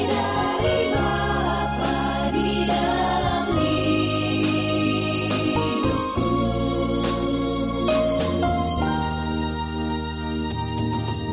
damai bagai hujan yang jatuh